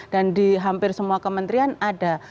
dan di hampir semua kementrian ada